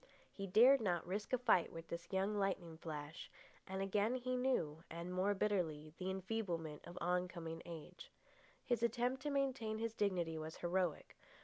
He dared not risk a fight with this young lightning flash, and again he knew, and more bitterly, the enfeeblement of oncoming age. His attempt to maintain his dignity was heroic.